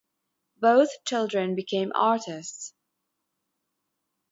Both children became artists.